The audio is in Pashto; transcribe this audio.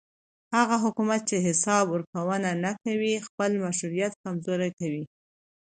هغه حکومت چې حساب ورکوونه نه کوي خپل مشروعیت کمزوری کوي